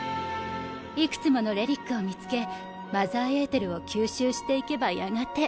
幾つもの遺物を見つけマザーエーテルを吸収していけばやがて。